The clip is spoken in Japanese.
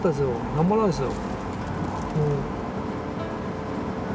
何もないですよ。